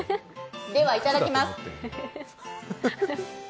では、いただきます。